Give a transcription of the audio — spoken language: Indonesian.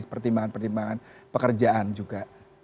pertimbangan pertimbangan pekerjaan juga